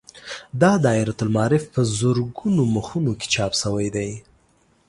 دا دایرة المعارف په زرګونو مخونو کې چاپ شوی دی.